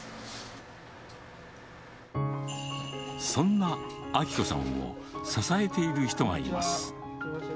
そんな明子さんを支えている人がいます。